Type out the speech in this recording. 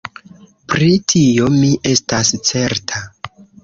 Pri tio mi estas certa.